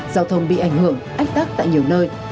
giao thông bị ảnh hưởng ách tắc tại nhiều nơi